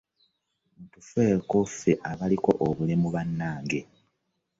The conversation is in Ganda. Mutufeeko ffe abaliko obulemu bannange.